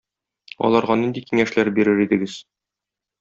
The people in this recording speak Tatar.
Аларга нинди киңәшләр бирер идегез?